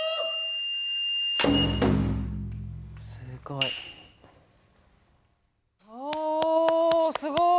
すごい。おすごい！